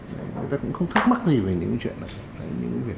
người ta cũng không thắc mắc gì về những chuyện này